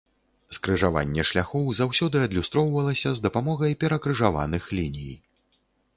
Скрыжаванне шляхоў заўсёды адлюстроўваўся з дапамогай перакрыжаваных ліній.